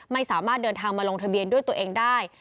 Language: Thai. ไม่สามารถเดินทางมาลงทะเบียนด้วยตัวเองได้